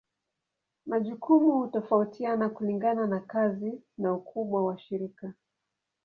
Majukumu hutofautiana kulingana na kazi na ukubwa wa shirika.